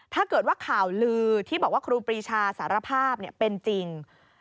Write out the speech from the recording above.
ถ้าเกิดว่าข่าวลือที่บอกว่าครูปรีชาสารภาพเป็นจริง